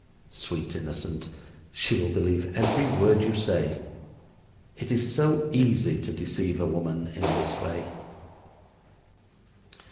Sweet innocent! she will believe every word you say. It is so easy to deceive a woman in this way.